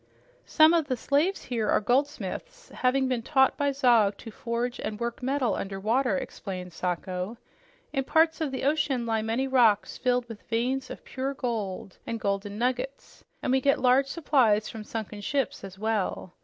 "Some of the slaves here are goldsmiths, having been taught by Zog to forge and work metal under water," explained Sacho. "In parts of the ocean lie many rocks filled with veins of pure gold and golden nuggets, and we get large supplies from sunken ships as well.